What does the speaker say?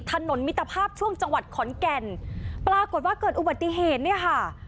มิตรภาพช่วงจังหวัดขอนแก่นปรากฏว่าเกิดอุบัติเหตุเนี่ยค่ะ